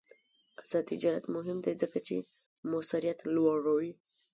آزاد تجارت مهم دی ځکه چې موثریت لوړوي.